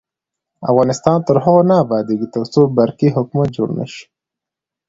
افغانستان تر هغو نه ابادیږي، ترڅو برقی حکومت جوړ نشي.